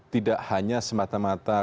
tidak hanya semata mata